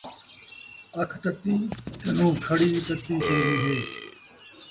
اکھ تتی کنوں کھڑی تتی چن٘ڳی اے